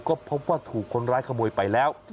ก็พบว่าถูกคนร้ายขโมยไปแล้ว